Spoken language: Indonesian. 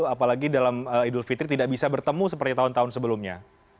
apalagi dalam idul fitri tidak bisa bertemu seperti tahun tahun sebelumnya